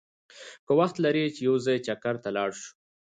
که وخت لرې چې یو ځای چکر ته لاړ شو!